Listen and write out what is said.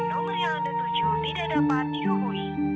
nomor yang ketujuh tidak dapat diunggui